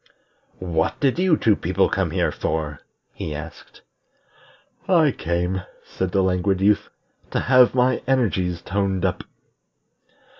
"What did you two people come here for?" he asked. "I came," said the Languid Youth, "to have my energies toned up."